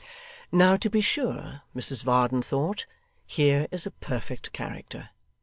Now, to be sure, Mrs Varden thought, here is a perfect character.